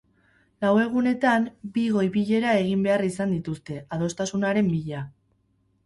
Lau egunetan, bi goi-bilera egin behar izan dituzte, adostasunaren bila.